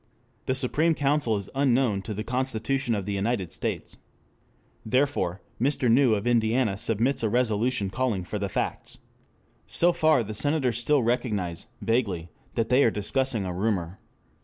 The Supreme Council is unknown to the Constitution of the United States. Therefore Mr. New of Indiana submits a resolution calling for the facts. So far the Senators still recognize vaguely that they are discussing a rumor.